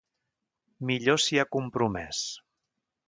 Millor s’hi ha compromès.